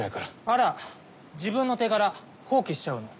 あら自分の手柄放棄しちゃうの？